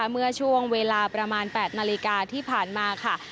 เมื่อช่วงเวลาประมาณ๘นาฬิกาที่ผ่านมาค่ะ